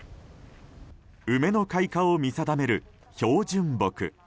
梅の開花を見定める標準木。